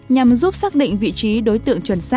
nhằm giúp robot hái dâu tay